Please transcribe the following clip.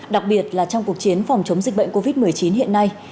đặc biệt là trong cuộc chiến phòng chống dịch bệnh covid một mươi chín hiện nay